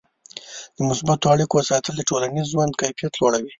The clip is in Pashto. د مثبتو اړیکو ساتل د ټولنیز ژوند کیفیت لوړوي.